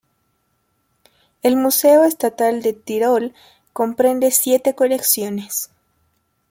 El museo estatal del Tirol comprende siete colecciones.